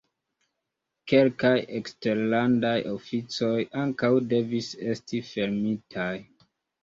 Kelkaj eksterlandaj oficoj ankaŭ devis esti fermitaj.